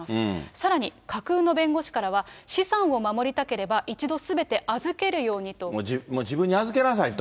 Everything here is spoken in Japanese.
さらに、架空の弁護士からは、資産を守りたければ、一度すべて預けるようにと。自分に預けなさいと。